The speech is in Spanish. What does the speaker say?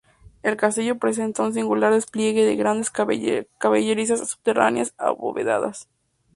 El castillo presenta un singular despliegue de grandes caballerizas subterráneas abovedadas.